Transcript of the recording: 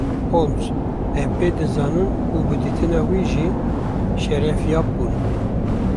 Holmes: Em pê dizanin û bi dîtina wî jî şerefyab bûn.